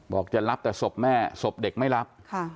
จะรับแต่ศพแม่ศพเด็กไม่รับ